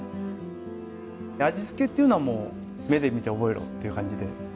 味付けっていうのはもう目で見て覚えろっていう感じで。